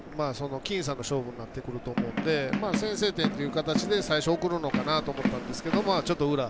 僅差の勝負になってくると思うので先制点という形で最初送るのかなと思ったんですけどちょっと裏。